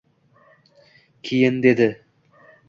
Keyin dedi: